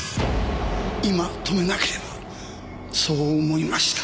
今止めなければそう思いました。